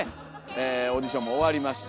オーディションも終わりました。